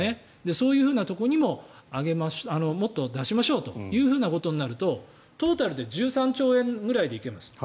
そういうところにももっと出しましょうとなるとトータルで１３兆円ぐらいで行けますと。